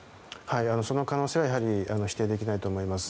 その可能性は否定できないと思います。